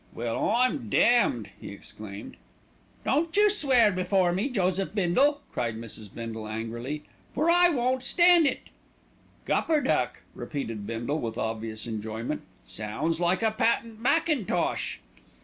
"Well, I'm damned!" he exclaimed. "Don't you swear before me, Joseph Bindle," cried Mrs. Bindle angrily; "for I won't stand it." "Gupperduck!" repeated Bindle with obvious enjoyment. "Sounds like a patent mackintosh."